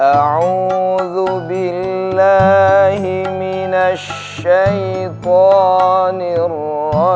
a'udhu billahi minash shaitanir rajeem